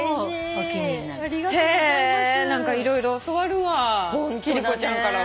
へぇ何か色々教わるわ貴理子ちゃんからは。